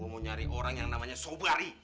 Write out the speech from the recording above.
mau nyari orang yang namanya sobari